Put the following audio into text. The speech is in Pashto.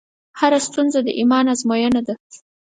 هره ستونزه د ایمان ازموینه ده.